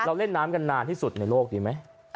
เราเล่นน้ำกันนานที่สุดในโลกดีไหม